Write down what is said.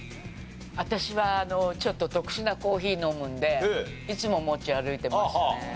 私はちょっと特殊なコーヒー飲むのでいつも持ち歩いてますね。